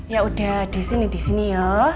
ya udah di sini di sini ya